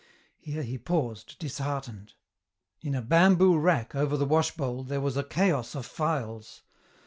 Here he paused, disheartened. In a bamboo rack over the wash bowl there was a chaos of phials.